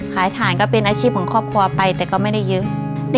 ฐานก็เป็นอาชีพของครอบครัวไปแต่ก็ไม่ได้เยอะ